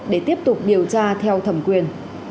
để tiếp tục điều tra theo thẩm quyền